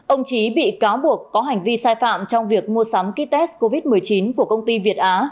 ông trí bị cáo buộc có hành vi sai phạm trong việc mua sắm kites covid một mươi chín của công ty việt á